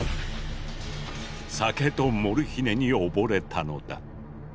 酒とモルヒネに溺れたのだ。